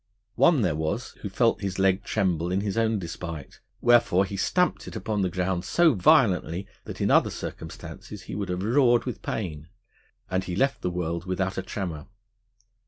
One there was, who felt his leg tremble in his own despite: wherefore he stamped it upon the ground so violently, that in other circumstances he would have roared with pain, and he left the world without a tremor.